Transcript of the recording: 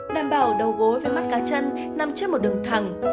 đảm bảo đầu gối với mắt cá chân nằm trước một đường thẳng